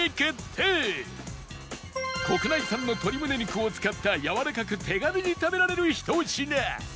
国内産の鶏胸肉を使ったやわらかく手軽に食べられるひと品